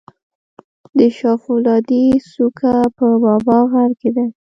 د شاه فولادي څوکه په بابا غر کې ده